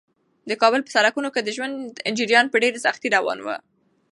د کابل په سړکونو کې د ژوند جریان په ډېرې سختۍ روان و.